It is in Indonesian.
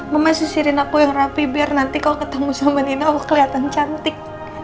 mama sisirin aku yang rapi biar nanti kalau ketemu sama nina aku kelihatan cantik